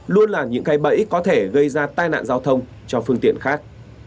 luôn là những cây bẫy có thể gây ra tai nạn giao thông cho phương tiện khác